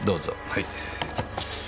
はい。